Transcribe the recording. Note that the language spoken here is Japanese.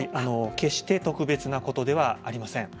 決して特別なことではありません。